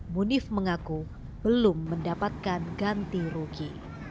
munif mengaku belum mendapatkan ganti rugi